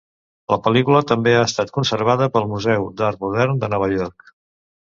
La pel·lícula també ha estat conservada pel Museu d'Art Modern de Nova York.